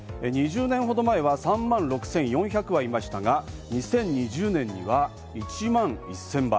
２０年ほど前は３万６４００羽いましたが、２０２０年には１万１０００羽。